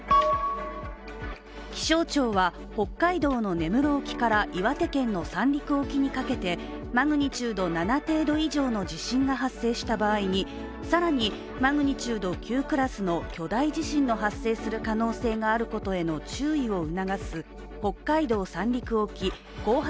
気象庁は北海道の根室沖から岩手県の三陸沖にかけてマグニチュード７程度以上の地震が発生した場合に更にマグニチュード９クラスの巨大地震の発生する可能性があることへの注意を促す北海道・三陸沖後発